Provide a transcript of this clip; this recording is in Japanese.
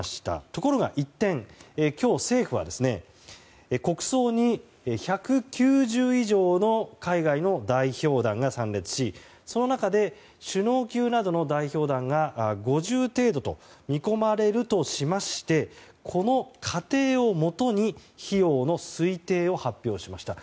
ところが一転今日、政府は国葬に１９０以上の海外の代表団が参列しその中で首脳級などの代表団が５０程度と見込まれるとしましてこの仮定をもとに費用の推定を発表しました。